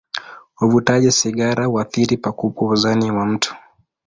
Uvutaji sigara huathiri pakubwa uzani wa mtu.